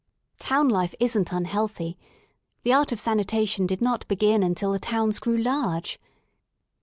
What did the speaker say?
Town life isn't unhealthy: the art of sanitation did not begin until the towns grew large.